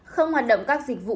không hoạt động các dịch vụ